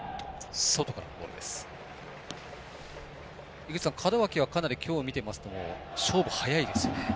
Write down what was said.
井口さん、門脇は見ていますと勝負、早いですよね。